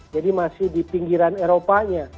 jadi masih di pinggiran eropanya